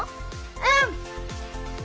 うん！